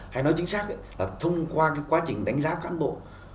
hay nói chính xác là thông qua quá trình đánh giá cán bộ